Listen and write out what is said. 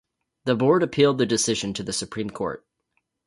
The Board appealed the decision to the Supreme Court.